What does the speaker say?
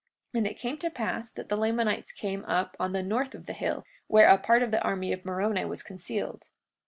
43:34 And it came to pass that the Lamanites came up on the north of the hill, where a part of the army of Moroni was concealed.